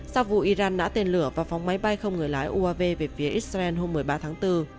sau vụ iran ná tên lửa và phóng máy bay không người lái uav về phía israel hôm một mươi ba tháng bốn